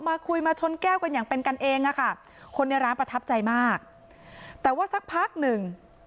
มาคุยมาชนแก้วกันอย่างเป็นกันเองอ่ะค่ะคนในร้านประทับใจมากแต่ว่าสักพักหนึ่ง